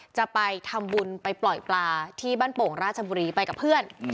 จะไปทำบุญไปปล่อยปลาที่บ้านโป่งราชบุรีไปกับเพื่อน